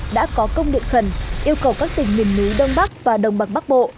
đã có công điện khẩn yêu cầu các tỉnh miền núi đông bắc và đông bắc bộ